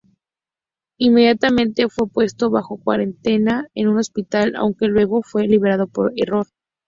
Inmediatamente fue puesto bajo cuarentena en un hospital, aunque luego fue liberado por error.